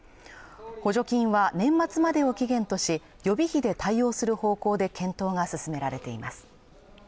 補助金は年末までを期限とし予備費で対応する方向で検討が進められています